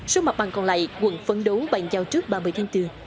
số mặt bằng còn lại quận phấn đấu bàn giao trước ba mươi tháng bốn